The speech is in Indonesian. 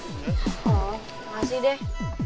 oh makasih deh